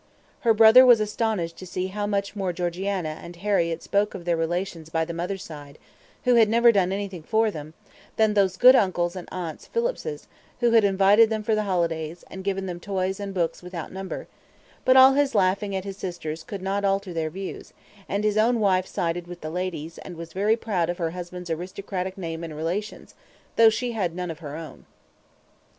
Her brother was astonished to see how much more Georgiana and Harriett spoke of their relations by the mother's side, who had never done anything for them, than those good uncles and aunts Phillipses, who had invited them for the holidays, and given them toys and books without number; but all his laughing at his sisters could not alter their views, and his own wife sided with the ladies, and was very proud of her husband's aristocratic name and relations, though she had none of her own.